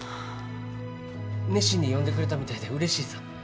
熱心に読んでくれたみたいでうれしいさ。